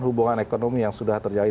hubungan ekonomi yang sudah terjadi